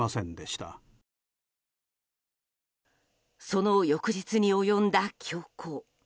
その翌日に及んだ凶行。